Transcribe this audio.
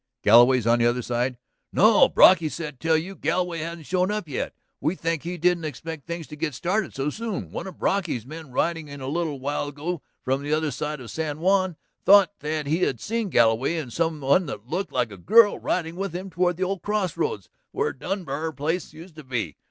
"Galloway's on the other side?" "No. Brocky said tell you Galloway hadn't shown up yet. We think he didn't expect things to get started so soon. One of Brocky's men riding in a little while ago from the other side of San Juan thought that he had seen Galloway and some one that looked like a girl riding with him toward the old crossroads where the Denbar place used to be.